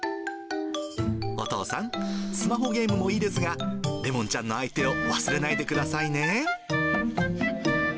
お父さん、スマホゲームもいいですが、レモンちゃんの相手を忘れないでくださいね。